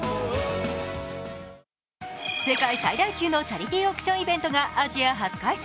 世界最大級のチャリティーオークションイベントがアジア初開催。